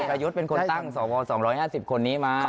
ประยุทธ์เป็นคนตั้งสว๒๕๐คนนี้มา